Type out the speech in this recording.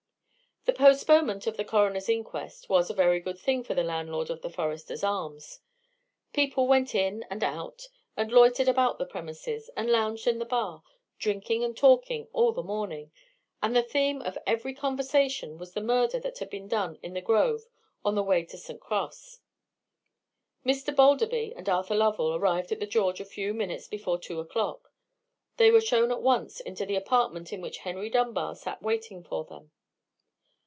The postponement of the coroner's inquest was a very good thing for the landlord of the Foresters' Arms. People went in and out, and loitered about the premises, and lounged in the bar, drinking and talking all the morning, and the theme of every conversation was the murder that had been done in the grove on the way to St. Cross. Mr. Balderby and Arthur Lovell arrived at the George a few minutes before two o'clock. They were shown at once into the apartment in which Henry Dunbar sat waiting for them.